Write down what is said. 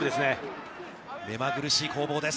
目まぐるしい攻防です。